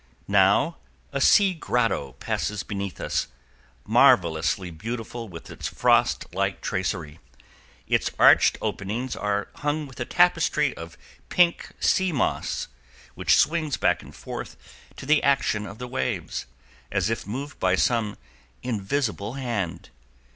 Now a sea grotto passes beneath us, marvelously beautiful with its frostlike tracery. Its arched openings are hung with a tapestry of pink sea moss, which swings back and forth to the action of the waves, as if moved by some invisible hand.